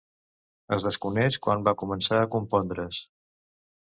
Es desconeix quan va començar a compondre's.